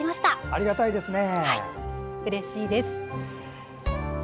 ありがたいですね。